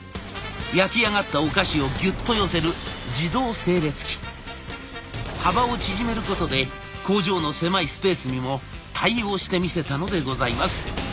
焼き上がったお菓子をぎゅっと寄せる幅を縮めることで工場の狭いスペースにも対応してみせたのでございます。